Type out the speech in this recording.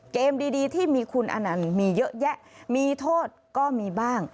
ดีที่มีคุณอนันต์มีเยอะแยะมีโทษก็มีบ้าง